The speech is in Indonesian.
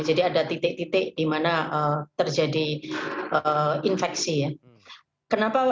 jadi ada titik titik di mana terjadi infeksi ya